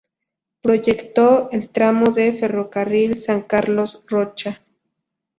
Proyectó el tramo de ferrocarril San Carlos-Rocha.